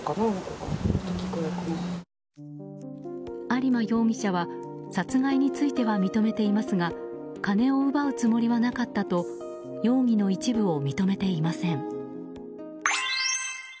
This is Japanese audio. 有馬容疑者は殺害については認めていますが金を奪うつもりはなかったと容疑の一部を認めていません。